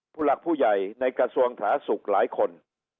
ผู้หลักผู้ใหญ่ในกระทรวงสาธารณสุขหลายคน